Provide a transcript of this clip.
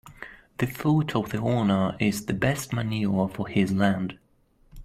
The foot of the owner is the best manure for his land.